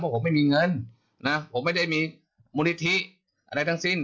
ผมไม่มีเงินนะผมไม่ได้มีมูลนิธิอะไรทั้งสิ้น